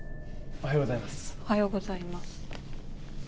おはようございます。